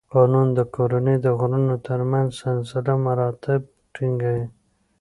قانون د کورنۍ د غړو تر منځ سلسله مراتب ټینګوي.